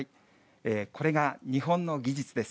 これが日本の技術です。